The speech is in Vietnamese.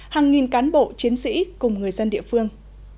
hàng nghìn cán bộ chiến sĩ cùng người dân địa phương